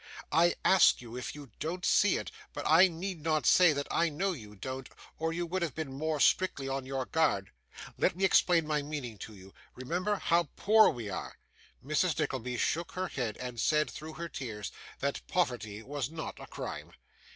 I ask you if you don't see it, but I need not say that I know you don't, or you would have been more strictly on your guard. Let me explain my meaning to you. Remember how poor we are.' Mrs. Nickleby shook her head, and said, through her tears, that poverty was not a crime.